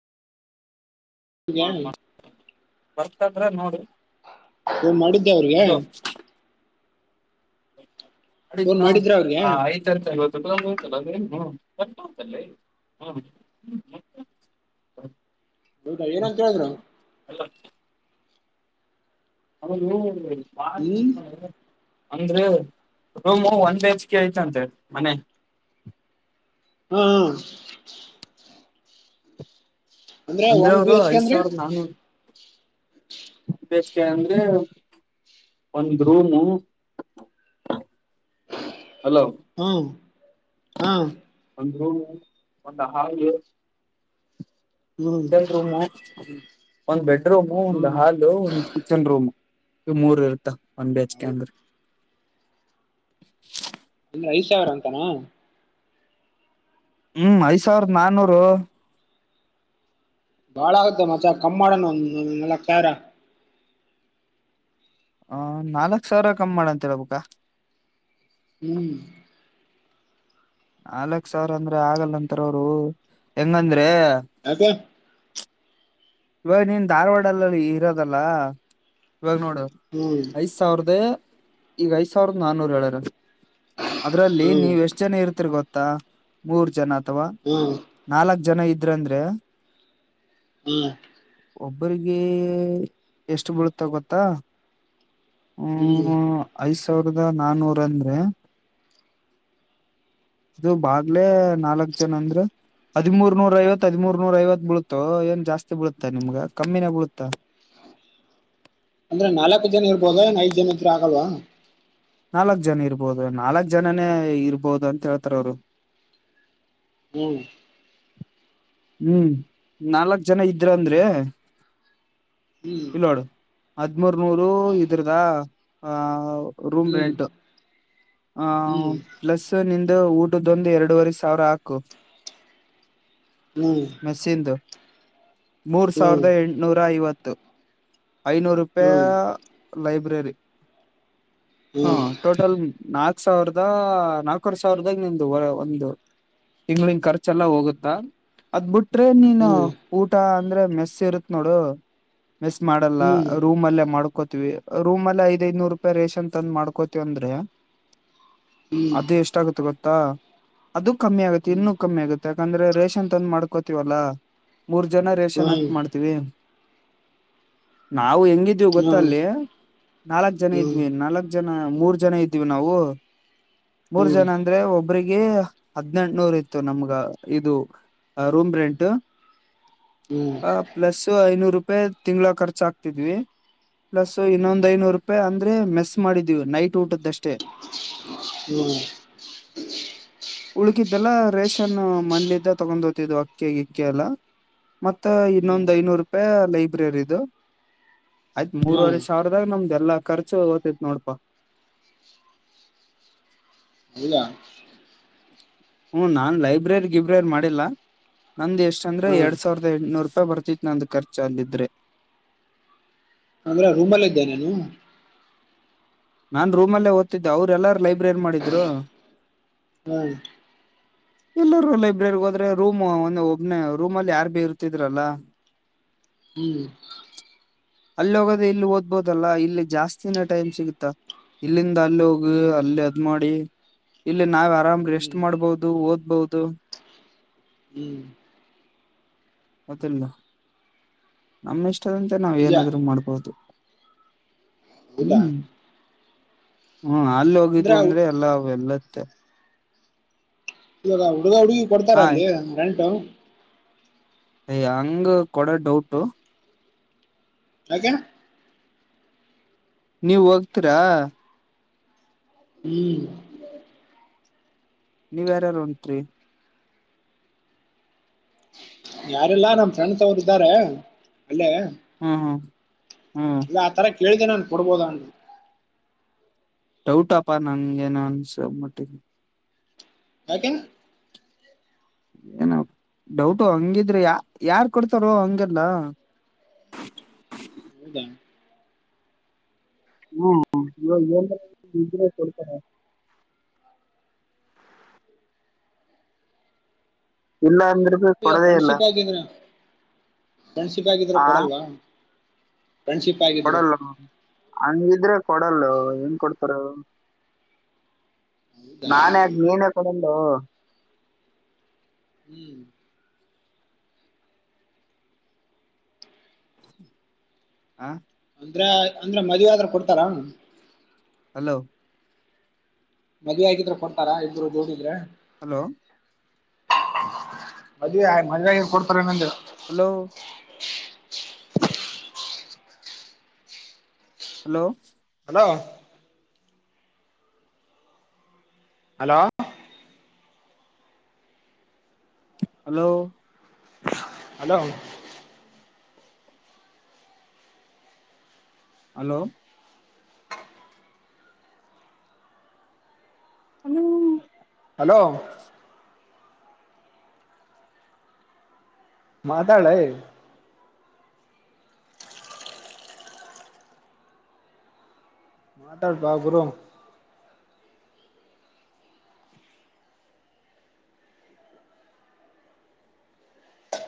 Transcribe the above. ಈಗ [unintelligible] ಬರತಂದ್ರ ನೋಡ. ನೀ ಮಾಡಿದ್ದೆ ಅವ್ರಿಗೆ. ಫೋನ್ ಮಾಡಿದ್ನ ಮಾಡಿದ್ರ ಅವ್ರಿಗೆ ಹ ಆಯ್ತ. [unintelligible] ಹೌದಾ ಏನಂತ ಹೇಳಿದ್ರು. ಎಲ್ಲ. [unintelligible] ಹ್ಮ್. ಅಂದ್ರೆ ರೂಮು ಒಂದ್ ಬೈ ಹೆಚ್ ಕೆ ಐತ ಅಂತೇ ಮನೆಯಲ್ಲಿ. ಹ್ಮ್ ಹಂ. ಅಂದ್ರೆ ಒನ್ ಬಿ ಅವರು ಎಚ್ ಕೆ ಐದ್ ಅಂದ್ರೆ ಸಾವಿರದ ನಾನೂರ ಒಂದ ಹೆಚ್ ಕೆ ಅಂದ್ರೆ. ಒಂದ ರೂಮು ಅಲೋ. ಹ ಹಾ. ಒಂದ ರೂಮ್ ಒಂದು ಹಾಲಗೆ. ಹ್ಮ್ ಎರಡ್ ರೂಮು ಒಂದ ಬೆಡ್ ರೂಮು ಒಂದ ಹ್ಮ್ ಹಾಲು ಒ ಕಿಚನ್ ರೂಮ್ ಇವ ಮೂರು ಇರತ್ತ ಒನ್ ಬಿಹೆಚ್ಕೆ ಹೌ ಅಂದ್ರೆ. ಇನ್ನು ಐದು ಸಾವಿರಾ ಅಂತಾನಾ. ಹ್ಮ್ ಐದ್ ಸಾವರದ ನಾನ್ನೂರು. ಬಾಳ ಆಗತ್ತೆ ಮಚ ಕಮ್ಮ್ ಮಾಡೋಣ ಒಂದ ನಾಲಕ್ ಸಾವರಾ. ಆ ನಾಲಕ್ ಸಾವರಾ ಕಮ್ಮ ಮಾಡ ಅಂತ ಹೇಳ್ಬೇಕಾ. ಹ್ಮ್ ನಾಲಕ್ಕ್ ಸಾವರ ಅಂದ್ರೆ ಆಗಲ್ಲಂತರ ಅವರು ಹೆಂಗಂದ್ರೆ ಯಾಕ ಇವಾಗ ನೀನ್ ಧಾರವಾಡಲ್ಲಲ್ಲಿ ಇರೋದಲ್ಲ ಇವಾಗ ನೋಡು. ಹ್ಮ್ ಐದ್ ಸಾವಿರದ ಈಗ ಐದ್ ಸಾವರದ ನಾನ್ನೂರ್ ಹೇಳ್ಯಾರ್ ಅದರಲ್ಲಿ ಹ್ಮ್ ನೀವ ಎಷ್ಟ ಜನ ಇರ್ತಿರಿ ಗೊತ್ತಾ ಮೂರ್ ಜನ ಅಥವಾ ಹ್ಮ್ ನಾಲಕ್ಕ ಜನ ಇದ್ರ ಅಂದ್ರೆ ಹ್ಮ್ ಒಬ್ಬರಿಗೆ ಎಷ್ಟ ಬಿಳತ್ತ ಗೊತ್ತಾ ಹ್ಮ್ ಹ್ಮ ಐದ್ ಸಾವರದ ನಾನೂರ ಅಂದ್ರೆ [inaudible] ಇದು ಬಾಗ್ಲೆ ನಾಲಕ್ಕ್ ಜನ ಅಂದ್ರೆ ಹದಿಮೂರ್ ನೂರಾ ಐವತ್ ಹದಿಮೂರ್ ನೂರ ಐವತ್ ಬೀಳುತ್ತೋ ಏನ್ ಜಾಸ್ತಿ ಬೀಳತ್ತಾ ನಿಮ್ಗ ಕಮ್ಮಿನೇ ಬೀಳುತ್ತ. ಅಂದ್ರ ನಾಲಕ್ಕ್ ಜನ ಇರ್ಬೋದ ಏನ್ ಐದ ಜನ ಇದ್ರೆ ಆಗಲ್ವಾ. ನಾಲಕ್ಕ್ ಜನ ಇರ್ಬೋದು ನಾಲಕ್ಕ್ ಜನನೇ ಇರ್ಬೋದು ಅಂತ ಹೇಳ್ತಾರ ಅವ್ರು. ಹ್ಮ್ ಹ್ಮ್ ನಾಲಕ್ಕ್ ಜನ ಇದ್ರ ಅಂದ್ರೆ ಹ್ಮ್ ಇಲ್ನೋಡು. ಹದ್ಮೂರ್ ನೂರು ಇದ್ರದ ಆ ರೂಮ್ ಹ್ಮ್ ರೆಂಟು ಹ್ಮ್ ಹ್ಮ್ ಪ್ಲಸ್ ಮತ್ತ ನಿಂದ ಊಟದ್ದೋಂದ ಎರಡುವರೆ ಸಾವರ ಹಾಕು. ಹ್ಮ್ ಮೇಸ್ಸಿಂದು ಮೂರ ಹ್ಮ್ ಸಾವರದ ಎಂಟನೂರಾ ಐವತ್ತು ಐನೂರು ಪೆ ಹ್ಮ್ ಲೈಬ್ರರಿ ಹ್ಮ್ ಹಾ ಟೋಟಲ್ ನಾಕ್ ಸಾವರದಾ ನಾಕುವರೆ ಸಾವರದಾಗ ನಿಂದ ಒ ಒಂದ ತಿಂಗಳಿನ ಖರ್ಚೆಲ್ಲ ಹೋಗುತ್ತಾ. ಅದ್ ಬಿಟ್ರೆ ನೀನ ಹ್ಮ್ ಊಟಾ ಅಂದ್ರೆ ಮೆಸ್ಸ ಇರತ್ ನೋಡು. ಮಿಸ್ ಮಾಡಲ್ಲ ಹ್ಮ್ ರೂಮಲ್ಲೇ ಮಾಡ್ಕೋತಿವಿ ರೂಮಲ್ಲೇ ಐದಐದನೂರ ರೂಪಾಯಿ ರೇಷನ್ ತಂದ್ ಮಾಡ್ಕೋತಿವಿ ಅಂದ್ರೆ ಹ್ಮ್ ಅದು ಎಷ್ಟ ಆಗುತ್ತೆ ಗೊತ್ತಾ ಅದು ಕಮ್ಮಿ ಆಗುತ್ತೆ ಹ್ಮ್ ಇನ್ನು ಕಮ್ಮಿ ಆಗತ್ತೆ ಯಾಕಂದ್ರೆ ರೇಷನ್ ತಂದ ಮಾಡ್ಕೋತೀವಲ್ಲಾ ಮೂರ್ ಜನ ರೇಷನ್ ಹ್ಮ್ ಹಾಕಿ ಮಾಡ್ತೀವಿ. ನಾವು ಹೆಂಗಿದ್ವಿ ಗೊತ್ತಾ ಹ್ಮ್ ಅಲ್ಲಿ ನಾಲಕ್ಕ್ ಜನ ಹ್ಮ್ ಇದ್ವಿ ನಾಲ್ಕ್ ಜನ ಮೂರ್ ಜನ ಇದ್ದೀವಿ ನಾವು ಮೂರ್ ಹ್ಮ್ ಜನ ಅ ಅಂದ್ರೆ ಒಬ್ಬ್ರಿಗೆ ಹದ್ನೆಂಟನೂರ್ ಇತ್ತು ನಮ್ಗ ಇದು ರೂಮ್ ರೆಂಟ್ ಹ್ಮ್ ಪ್ಲಸ್ ಐನೂರ ರೂಪಾಯಿ ತಿಂಗಳ ಖರ್ಚ ಹಾಕ್ತಿದ್ವಿ ಪ್ಲಸ್ ಇನ್ನೊಂದ್ ಐನೂರು ರೂಪಾಯಿ ಪೆ ಅಂದ್ರೆ ಮೆಸ್ಸ್ ಮಾಡಿದ್ವಿ ನೈಟ್ ಊಟದ್ದಷ್ಟೇ ಹ್ಮ್ ಉಳಕಿದ್ದಲ್ಲಾ ರೇಷನ್ ಮೇನಲ್ಲಿದ್ದ ತಗೊಂಡ ಹೋತಿನಿ. ಇದು ಅಕ್ಕಿ ಇಕ್ಕೆ ಎಲ್ಲ ಮತ್ತ ಹ್ಮ್ ಹ್ಮ್ ಇನ್ನೊಂದು ಐನೂರು ರೂಪಾಯಿ ಲೈಬ್ರರಿ ಇದು ಆಯ್ತ್ ಮೂರ್ವರೆ ಹ್ಮ್ ಸಾವ್ರದಾಗ ನಮ್ದ ಎಲ್ಲಾ ಖರ್ಚು ಹೋಗತೈತ್ ನೋಡಪಾ. ಇಲ್ಲಾ ಹ್ಮ ನಾನ್ ಲೈಬ್ರರಿ ಗಿಬ್ರರಿ ಮಾಡಿಲ್ಲಾ. ನಂದ ಎಷ್ಟ ಅಂದ್ರೆ ಹಾ ಎರಡ್ ಸಾವಿರದ ಎಂಟನೂರು ರೂಪಾಯಿ ಬರ್ತಿತಿ ನಂದ ಖರ್ಚ ಅಲ್ಲಿದ್ರೆ. ಅಂದ್ರೆ ರೂಮ್ ಅಲ್ಲಿ ಇದ್ದೇ ನೀನು? ನಾನ್ ರೂಮ ಅಲ್ಲೇ ಓದತಿದ್ದೇ ಅವ್ರುಲ್ಲಾರು ಲೈಬ್ರರಿ ಮಾಡಿದ್ರು. ಹ್ಮ. ಎಲ್ಲರೂ ಲೈಬ್ರರಿಗ್ ಹೋದ್ರೆ ರೂಮ್ ಒಂದ ಒಬ್ನೇ ರೂಮ ಅಲ್ಲಿ ಯಾರ ಬಿ ಇರುತಿದ್ರಲ್ಲ. ಹ್ಮ್. ಅಲ್ಲಿ ಹೋಗೋದೆ ಇಲ್ಲಿ ಓದ್ಬೋದಲ್ಲ ಇಲ್ಲಿ ಜಾಸ್ತಿನ ಟೈಮ್ ಸಿಗುತ್ತ. ಇಲ್ಲಿಂದ ಅಲ್ಲಿ ಹೋಗ ಹ್ಮ್ ಅಲ್ಲಿ ಅದ್ ಮಾಡಿ. ಇಲ್ಲ ನಾವ್ ಆರಾಮ್ ರೆಸ್ಟ್ ಹ್ಮ್ ಮಾಡ್ಬಹುದು ಓದ್ಬಹುದು. ಹ್ಮ್. ಮತ್ತ ನಮ್ಮ್ ಇಷ್ಟದಂತೆ ನಾವ್ ನಿಜ ಏನಾದ್ರು ಮಾಡ್ಬೋದು. ಹ್ಮ್ ಹೌದಾ ಹ್ಮ್. ಹ್ಮ್ ಅಲ್ಲಿ ಹೋಗಿದ್ವ ಅಂದ್ರೆ ಎಲ್ಲಾ ಎಲ್ಲತ್ತ ಇವಾಗ ಹುಡುಗ ಹುಡುಗಿ ಕೊಡ್ತಾರ ಹಾಯ್ ಅಲ್ಲಿ ರೆಂಟ್? ಅಯ ಹಂಗ ಕೊಡುಡ್ ಡೌಟ್ ಯಾಕೆ?. ನೀವ ಹೋಗ್ತೀರಾ? ಹ್ಮ್. ನೀವ್ ಯಾರ್ಯಾರ ಹೊಂಟಿರಿ. ಯಾರೆಲ್ಲಾ ನಮ್ ಫ್ರೆಂಡ್ಸ್ ಅವರು ಇದ್ದಾರೆ ಅಲ್ಲೇ ಹ್ಮ್ ಹ್ಮ್. ಇಲ್ಲ ಆ ತರ ಕೇಳಿದೆ ನಾನ್ ಕೊಡ್ಬೋದ. ಡೌಟಪ್ಪಾ ನಂಗ ಏನ ಅನ್ಸಬಟ್ಟಿದಿ. ಯಾಕೆನ್ ಏನ ಡೌಟು ಹಂಗಿದ್ರೆ ಯಾ ಯಾರ ಕೊಡ್ತಾರೋ ಹಂಗೆಲ್ಲಾ. ಹೌದಾ ಹ್ಮ ಇವಾಗ್ [unintelligible] ಕೊಡ್ತಾರೆ. ಇಲ್ಲ ಅಂದ್ರೆ ಫ್ರೆಂಡ್ಶಿಪ್ ಆಗಿದ್ರ ಫ್ರೆಂಡ್ಶಿಪ್ ಆಗಿದ್ರ ಆ ಕೊಡಲ್ವಾ? ಫ್ರೆಂಡ್ಶಿಪ್. ಆಗಿದ್ರೆ ಕೊಡಲ್ಲ ಹಂಗಿದ್ರೆ ಕೊಡಲ್ಲೊ ಹೆಂಗ ಕೊಡ್ತಾರ ಹೇಳು ನಾನೇ ನೀನೇ ಕಡೆಯಿಂದೋ [inaudible] [inaudible] ಅಂದ್ರೆ ಅಂದ್ರೆ ಮದುವೆ ಆದ್ರ ಕೊಡ್ತಾರ?? ಹಲೋ. ಮದ್ವೆ ಆಗಿದ್ರೆ ಕೊಡ್ತಾರಾ ಇಬ್ರು ಕೂಡಿದ್ರೆ ಹಲೋ. ಮದ್ವೆ ಮದ್ವೆ ಆಗಿಂದ ಕೊಡ್ತಾರೆ ಏನ ಅಂದೇ. Hello hello hello hello hello hello hello hello hello ಮಾತಾಳೆ ಮಾತಾಡ್ಪಾ ಗುರು